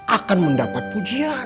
akan mendapat pujian